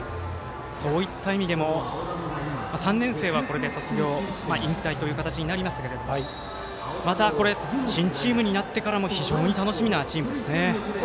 そういった意味でも３年生は、これで卒業、引退という形になりますがまた、新チームになってからも楽しみなチームですね。